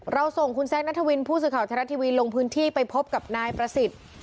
ส่งคุณแซคนัทวินผู้สื่อข่าวไทยรัฐทีวีลงพื้นที่ไปพบกับนายประสิทธิ์